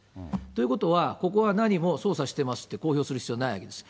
ということは、ここは何も捜査してますって、公表する必要ないわけです。